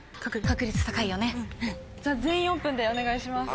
「全員オープン」でお願いします。